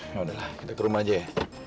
yaudah lah kita ke rumah aja ya